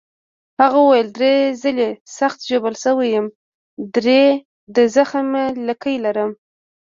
هغه وویل: درې ځلي سخت ژوبل شوی یم، درې د زخم لیکې لرم.